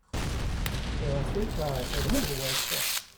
there are three cars at a fourway cross.